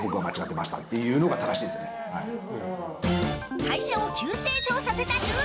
会社を急成長させたルール。